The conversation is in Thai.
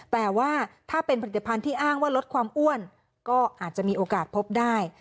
แต่ว่าถ้าเป็นผลิตภัณฑ์ที่อ้างว่าลดความอ้วนก็อาจจะมีโอกาสพบได้